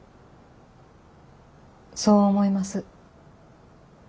そう思います。